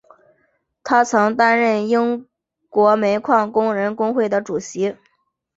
他曾经担任英国煤矿工人工会的主席。